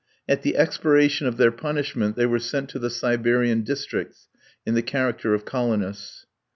At the expiration of their punishment they were sent to the Siberian districts in the character of colonists.